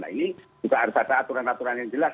nah ini juga harus ada aturan aturan yang jelas